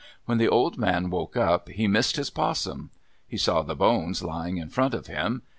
When the old man woke up he missed his 'possum. He saw the bones lying in front of him.